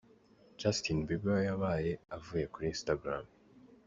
Justin Bieber yabaye avuye kuri Instagram.